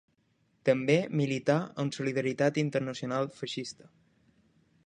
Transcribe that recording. També milità en Solidaritat Internacional Feixista.